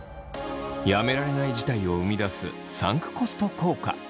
やめられない事態を生み出すサンクコスト効果。